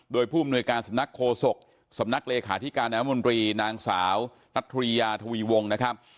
โดยผู้อำนวยการสำนักโคศกสำนักเลขาธิการน้ำมนตรีนางสาวนัทธริยาทวีวงนะครับ